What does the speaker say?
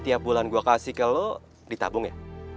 tiap bulan gue kasih ke lo ditabung ya